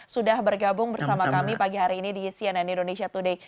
sudah bergabung bersama kami pagi hari ini di cnn indonesia today